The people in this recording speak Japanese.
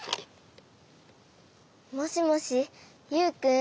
もしもしユウくん？